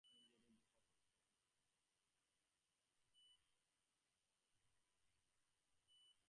দেশসুদ্ধ লোককে কি– দেশসুদ্ধ লোকের খাতিরে দেশকে সুদ্ধ মজাতে পারব না তো।